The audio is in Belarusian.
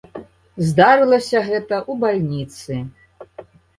Здарылася гэта ў бальніцы.